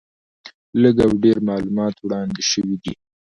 لږ او ډېر معلومات وړاندې شوي دي.